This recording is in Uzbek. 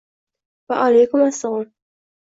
Va alaykum assalom.